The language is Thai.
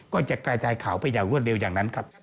ก็จะกระจายข่าวไปอย่างรวดเร็วอย่างนั้นครับ